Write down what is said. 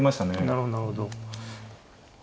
なるほど。